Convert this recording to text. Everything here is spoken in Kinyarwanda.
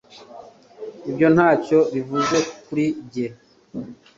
Ibyo ntacyo bivuze kuri njye